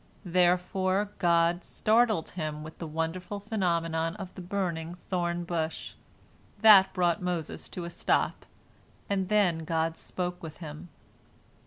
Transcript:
Therefore God startled him with the wonderful phenomenon of the burning thorn bush. That brought Moses to a stop, and then God spoke with him.